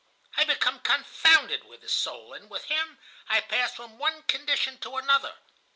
I become confounded with his soul, and with him I pass from one condition to another.